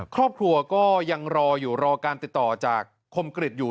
ครอบครัวก็ยังรออยู่รอการติดต่อจากคมกริจอยู่